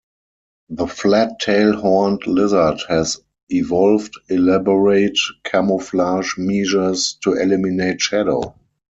The flat-tail horned lizard has evolved elaborate camouflage measures to eliminate shadow.